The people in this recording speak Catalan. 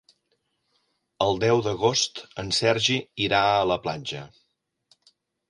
El deu d'agost en Sergi irà a la platja.